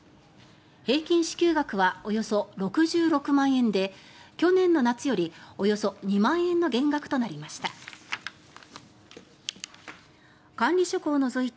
平均支給額はおよそ６６万円で去年の夏よりおよそ２万円の減額となりました。